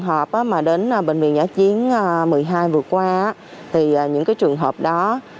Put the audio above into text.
hợp mà đến bệnh viện giã chiến một mươi hai vừa qua thì những cái trường hợp đó